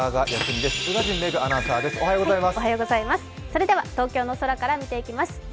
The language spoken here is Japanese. それでは東京の空から見ていきます。